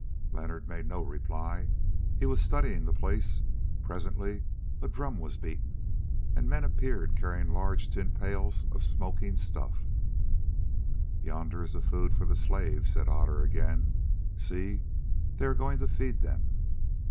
Leonard made no reply; he was studying the place. Presently a drum was beaten, and men appeared carrying large tin pails of smoking stuff. "Yonder is the food for the slaves," said Otter again. "See, they are going to feed them."